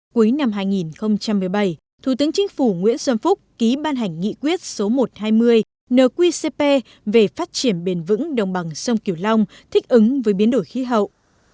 cuối năm hai nghìn một mươi bảy thủ tướng chính phủ nguyễn xuân phúc ký ban hành nghị quyết số một trăm hai mươi nqcp về phát triển bền vững đồng bằng sông kiểu long thích ứng với biến đổi khí hậu